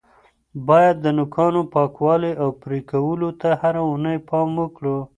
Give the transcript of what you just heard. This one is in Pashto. باید د نوکانو پاکوالي او پرې کولو ته هره اونۍ پام وکړو.